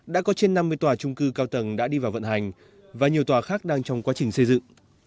đã có trên năm mươi tòa trung cư cao tầng đã đi vào vận hành và nhiều tòa khác đang trong quá trình xây dựng